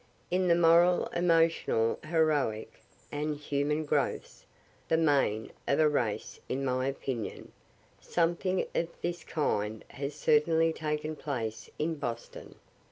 In the moral, emotional, heroic, and human growths, (the main of a race in my opinion,) something of this kind has certainly taken place in Boston.